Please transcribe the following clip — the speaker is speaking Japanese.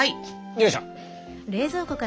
よいしょ。